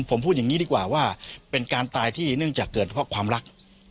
ผมพูดอย่างนี้ดีกว่าว่าเป็นการตายที่เนื่องจากเกิดเพราะความรัก